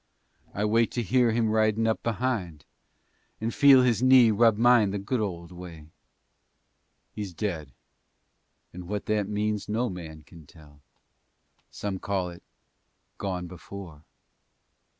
I wait to hear him ridin' up behind And feel his knee rub mine the good old way. He's dead and what that means no man kin tell. Some call it "gone before."